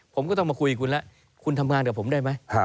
ผมก็ต้องมาคุยกับคุณแล้วคุณทำงานกับผมได้ไหม